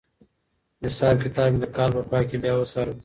حساب کتاب مې د کال په پای کې بیا وڅارلو.